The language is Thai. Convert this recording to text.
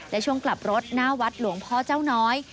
และช่วงกลับรถหน้าวัดหลวงพ่อเจ้าน้อย